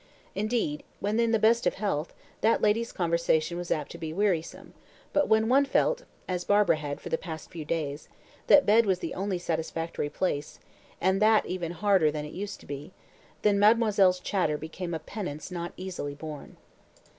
Indeed, when in the best of health, that lady's conversation was apt to be wearisome, but when one felt as Barbara had for the past few days that bed was the only satisfactory place, and that even harder than it used to be, then mademoiselle's chatter became a penance not easily borne.